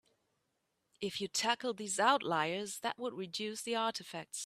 If you tackled these outliers that would reduce the artifacts.